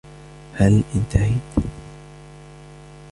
هل أنتهيت ؟